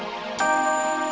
gak ada yang pilih